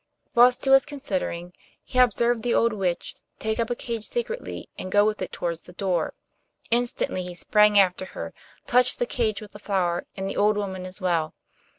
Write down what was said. Whilst he was considering, he observed the old witch take up a cage secretly and go with it towards the door. Instantly he sprang after her, touched the cage with the flower, and the old woman as well.